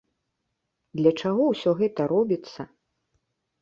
Для чаго ўсё гэта робіцца?